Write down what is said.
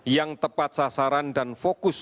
yang tepat sasaran dan fokus